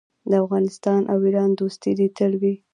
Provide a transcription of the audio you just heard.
د افغانستان او ایران دوستي دې تل وي.